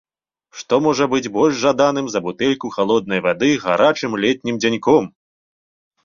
Што можа быць больш жаданым за бутэльку халоднай вады гарачым летнім дзяньком?